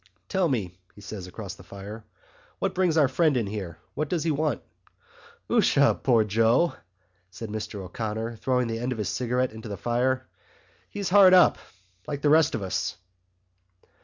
"Tell me," he said across the fire, "what brings our friend in here? What does he want?" "'Usha, poor Joe!" said Mr O'Connor, throwing the end of his cigarette into the fire, "he's hard up, like the rest of us."